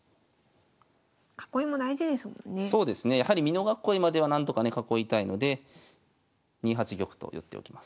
美濃囲いまでは何とかね囲いたいので２八玉と寄っておきます。